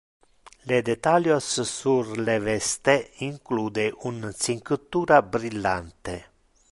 Le detalios sur le veste include un cinctura brillante.